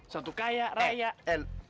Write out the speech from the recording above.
satu kaya raya eh eh